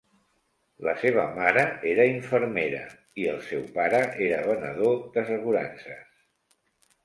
La seva mare era infermera i el seu pare era venedor d'assegurances.